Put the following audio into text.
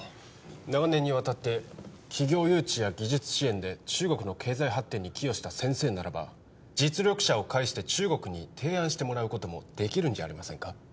長年にわたって企業誘致や技術支援で中国の経済発展に寄与した先生ならば実力者を介して中国に提案してもらうこともできるんじゃありませんか？